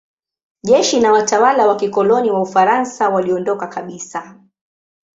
Jeshi na watawala wa kikoloni wa Ufaransa waliondoka kabisa.